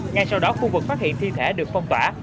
ngay sau đó khu vực phát hiện thi thể được phong tỏa